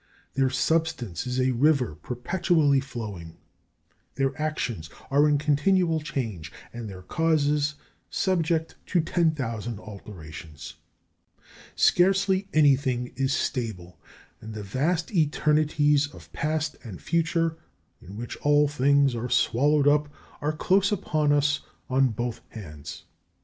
Their substance is as a river perpetually flowing; their actions are in continual change, and their causes subject to ten thousand alterations. Scarcely anything is stable, and the vast eternities of past and future in which all things are swallowed up are close upon us on both hands.